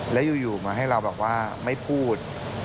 แล้วเกี่ยวกับเขาคิดว่าไม่พูด